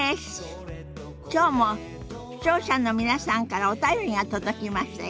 きょうも視聴者の皆さんからお便りが届きましたよ。